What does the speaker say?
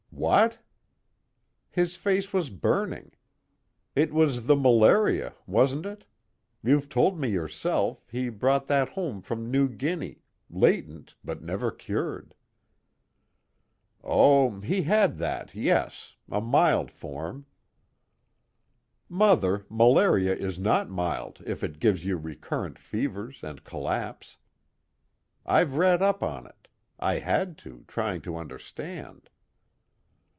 "What?" "His face was burning. It was the malaria. Wasn't it? You've told me yourself, he brought that home from New Guinea, latent but never cured." "Oh, he had that, yes. A mild form." "Mother, malaria is not mild if it gives you recurrent fevers and collapse. I've read up on it. I had to, trying to understand."